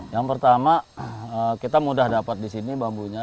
yang pertama kita mudah dapat di sini bambunya